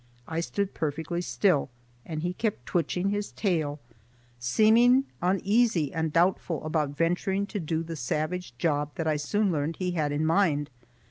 I stood perfectly still, and he kept twitching his tail, seeming uneasy and doubtful about venturing to do the savage job that I soon learned he had in his mind.